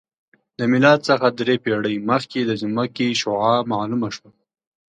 د میلاد څخه درې پېړۍ مخکې د ځمکې شعاع معلومه شوه